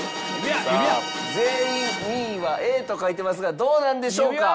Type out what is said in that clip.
さあ全員２位はＡと書いてますがどうなんでしょうか？